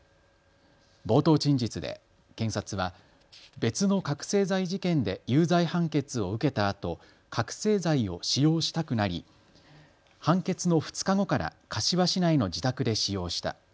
冒頭陳述で検察は別の覚醒剤事件で有罪判決を受けたあと覚醒剤を使用したくなり判決の２日後から柏市内の自宅で使用した。